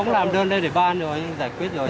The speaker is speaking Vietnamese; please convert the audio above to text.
không làm đơn đây để ban rồi giải quyết rồi